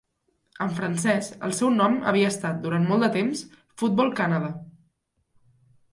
En francès, el seu nom havia estat, durant molt de temps, Football Canada.